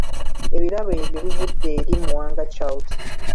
Ebirabo ebyo bivudde eri Muwanga Charles